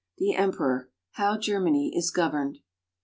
THE EMPEROR — HOW GERMANY IS GOVERNED.